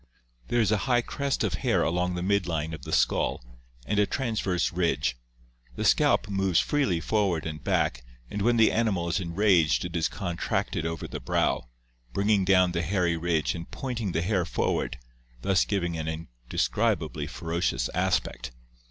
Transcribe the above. There is a high crest of hair along the mid line of the skull, and a transverse ridge; the scalp moves freely forward and back and when the animal is enraged it is contracted over the brow, bringing down the hairy ridge and pointing the hair forward, thus giving an indescribably ferocious aspect.